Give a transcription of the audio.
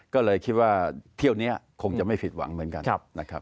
ก็เลยคิดว่าเที่ยวนี้คงจะไม่ผิดหวังเหมือนกันนะครับ